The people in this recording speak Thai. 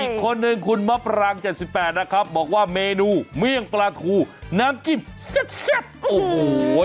อีกคนนึงคุณมะปราง๗๘นะครับบอกว่าเมนูเมี่ยงปลาทูน้ำจิ้มแซ่บโอ้โห